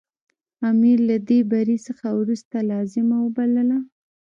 امیر له دې بري څخه وروسته لازمه وبلله.